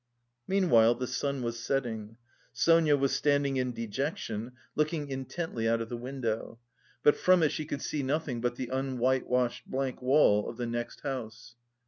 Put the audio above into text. Meanwhile the sun was setting. Sonia was standing in dejection, looking intently out of the window, but from it she could see nothing but the unwhitewashed blank wall of the next house.